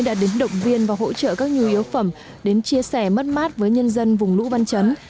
đã đến động viên và hỗ trợ các nhu yếu phẩm đến chia sẻ mất mát với nhân dân vùng lũ văn chấn